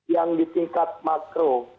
yang di tingkat makro